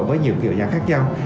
với nhiều kiểu dáng khác nhau